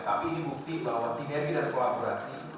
tapi ini bukti bahwa sinergi dan kolaborasi